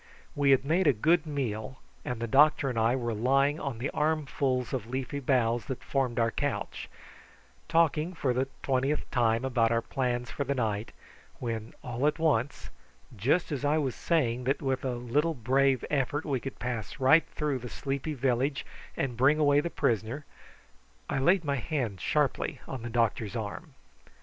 We had made a good meal, and the doctor and I were lying on the armfuls of leafy boughs that formed our couch, talking for the twentieth time about our plans for the night, when all at once, just as I was saying that with a little brave effort we could pass right through the sleepy village and bring away the prisoner, I laid my hand sharply on the doctor's arm.